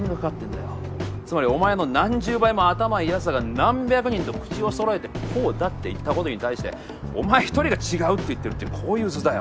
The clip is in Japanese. つまりお前の何十倍も頭いいやつらが何百人と口をそろえてこうだって言ったことに対してお前１人が違うって言ってるってこういう図だよ。